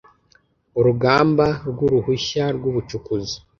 urugamba ry uruhushya rw ubucukuzi